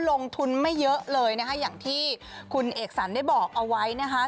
ลงทุนไม่เยอะเลยนะคะอย่างที่คุณเอกสรรได้บอกเอาไว้นะคะ